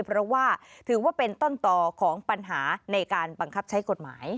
เพราะว่าถือว่าเป็นต้นต่อของปัญหาในการบังคับใช้กฎหมาย